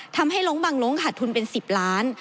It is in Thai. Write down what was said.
ทำให้ลงบางลงขาดทุนเป็น๑๐ล้าน